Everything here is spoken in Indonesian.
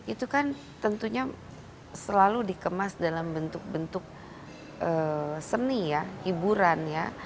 itu kan tentunya selalu dikemas dalam bentuk bentuk seni ya hiburan ya